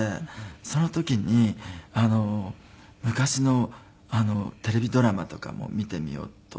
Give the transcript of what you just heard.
その時に昔のテレビドラマとかも見てみようと思ったんですよね。